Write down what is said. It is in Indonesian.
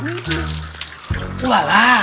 jadi berapa langit